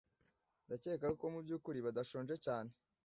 Ndakeka yuko mubyukuri batashonje cyane.